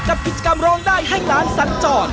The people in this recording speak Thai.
กับกิจกรรมร้องได้ให้ล้านสัญจร